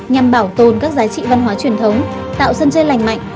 nhằm bảo tồn các giá trị văn hóa truyền thống tạo sân chơi lành mạnh